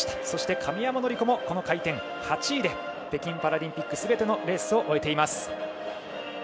そして神山則子も回転８位で北京パラリンピックすべてのレースを終えています。